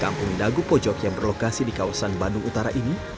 kampung dagopojok yang berlokasi di kawasan bandung utara ini